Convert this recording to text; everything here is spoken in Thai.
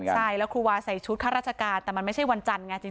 ใช่แล้วครูวาใส่ชุดข้าราชการแต่มันไม่ใช่วันจันทร์ไงจริง